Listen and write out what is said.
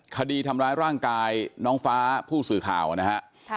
คดีทำร้ายร่างกายน้องฟ้าผู้สื่อข่าวนะฮะ